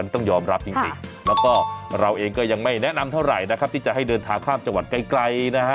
ต้องยอมรับจริงแล้วก็เราเองก็ยังไม่แนะนำเท่าไหร่นะครับที่จะให้เดินทางข้ามจังหวัดไกลนะฮะ